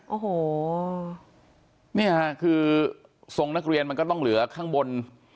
โอ้โหเนี่ยค่ะคือทรงนักเรียนมันก็ต้องเหลือข้างบน